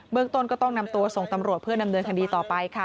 เมืองต้นก็ต้องนำตัวส่งตำรวจเพื่อดำเนินคดีต่อไปค่ะ